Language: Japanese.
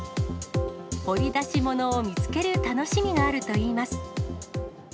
掘り出し物を見つける楽しみがあるといいます。